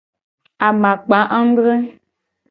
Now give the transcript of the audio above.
Amakpa adre.